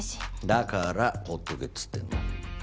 だからほっとけっつってんだ。